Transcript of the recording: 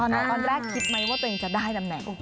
ตอนแรกคิดไหมว่าตัวเองจะได้ตำแหน่ง